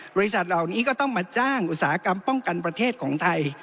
บริษัทเหล่านี้ก็ต้องมาจ้างอุตสาหกรรมป้องกันประเทศของไทย